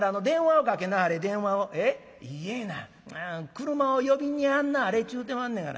車を呼びにやんなはれちゅうてまんねがな。